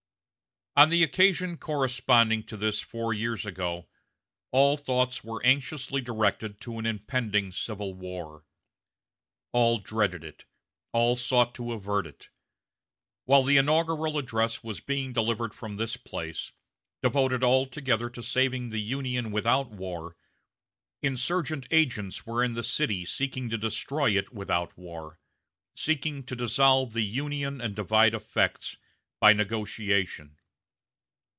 "On the occasion corresponding to this four years ago, all thoughts were anxiously directed to an impending civil war. All dreaded it all sought to avert it. While the inaugural address was being delivered from this place, devoted altogether to saving the Union without war, insurgent agents were in the city seeking to destroy it without war seeking to dissolve the Union, and divide effects, by negotiation.